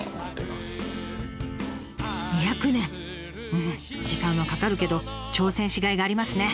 うん時間はかかるけど挑戦しがいがありますね。